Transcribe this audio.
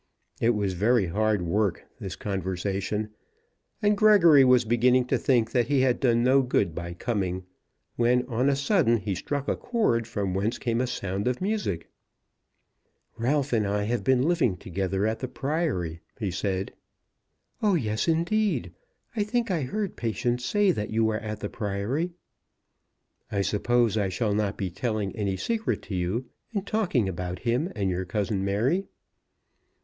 It was very hard work, this conversation, and Gregory was beginning to think that he had done no good by coming, when on a sudden he struck a chord from whence came a sound of music. "Ralph and I have been living together at the Priory," he said. "Oh; indeed; yes; I think I heard Patience say that you were at the Priory." "I suppose I shall not be telling any secret to you in talking about him and your cousin Mary?"